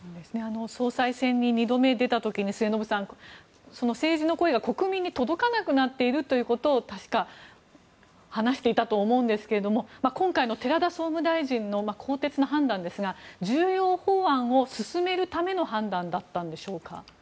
総裁選に２度目出た時に末延さん、政治の声が国民に届かなくなっているということを確か、話していたと思うんですが今回の寺田総務大臣の更迭の判断ですが重要法案を進めるための判断だったんでしょうか。